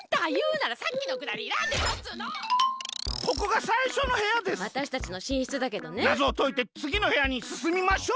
なぞをといてつぎのへやにすすみましょう！